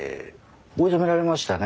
追い詰められましたね